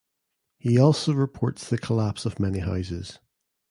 He also reports the collapse of many houses.